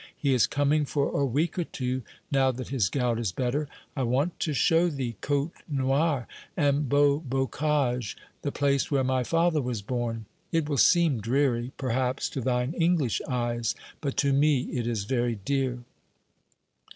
He is coming for a week or two, now that his gout is better. I want to show thee Côtenoir and Beaubocage, the place where my father was born. It will seem dreary, perhaps, to thine English eyes; but to me it is very dear."